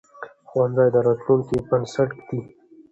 ښوونځی د راتلونکي بنسټ ږدي